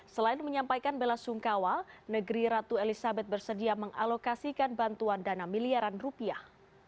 selain menyampaikan bela sungkawa negeri ratu elizabeth bersedia mengalokasikan bantuan dana miliaran rupiah